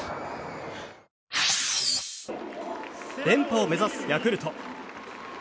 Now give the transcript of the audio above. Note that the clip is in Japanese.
連覇を目指すヤクルト。